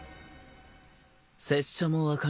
拙者も分からぬ。